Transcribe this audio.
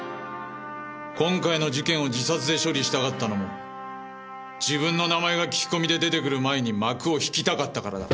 今回の事件を自殺で処理したがったのも自分の名前が聞き込みで出てくる前に幕を引きたかったからだ。